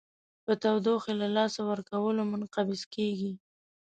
په تودوخې له لاسه ورکولو منقبض کیږي.